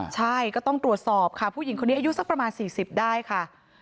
ใช่ก็ต้องตรวจสอบค่ะผู้หญิงคนนี้อายุสักประมาณ๔๐ได้ค่ะ